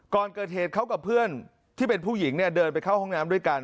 ก่อนเกิดเหตุเขากับเพื่อนที่เป็นผู้หญิงเนี่ยเดินไปเข้าห้องน้ำด้วยกัน